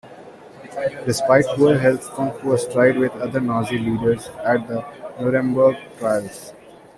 Despite poor health, Funk was tried with other Nazi leaders at the Nuremberg trials.